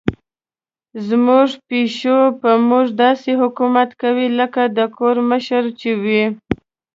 زموږ پیشو په موږ داسې حکومت کوي لکه د کور مشره چې وي.